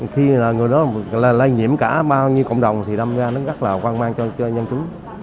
khi là người đó lây nhiễm cả bao nhiêu cộng đồng thì đâm ra nó rất là hoang mang cho nhân chúng